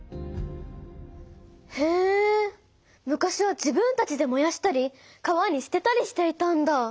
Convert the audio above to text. へえ昔は自分たちでもやしたり川にすてたりしていたんだ。